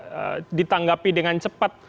tidak ditanggapi dengan cepat